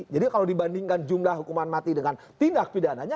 jadi kalau dibandingkan jumlah hukuman mati dengan tindak pidananya